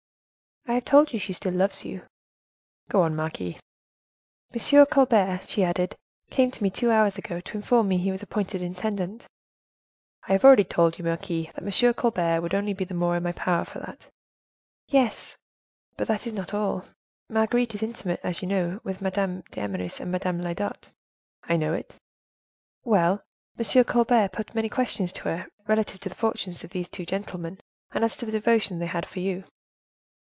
"I have told you she still loves you." "Go on, marquise." "'M. Colbert,' she added, 'came to me two hours ago, to inform me he was appointed intendant.'" "I have already told you, marquise, that M. Colbert would only be the more in my power for that." "Yes, but that is not all: Marguerite is intimate, as you know, with Madame d'Eymeris and Madame Lyodot." "I know it." "Well, M. Colbert put many questions to her, relative to the fortunes of these two gentlemen, and as to the devotion they had for you."